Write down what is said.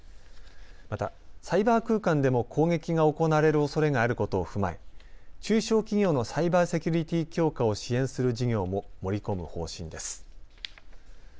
またサイバー空間でも攻撃が行われるおそれがあることを踏まえ、中小企業のサイバーセキュリティー強化を支援する事業も盛り込む方針です。